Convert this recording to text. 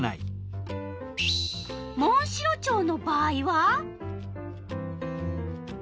モンシロチョウの場合は？